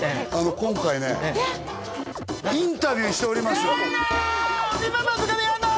今回ねインタビューしておりますやだ！